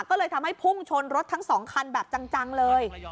ก็เลยทำให้พุ่งชนรถทั้ง๒คันแบบจังเลย